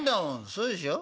そうでしょ？